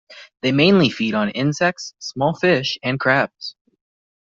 They mainly feed on insects, small fish and crabs.